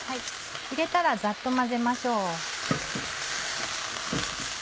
入れたらザッと混ぜましょう。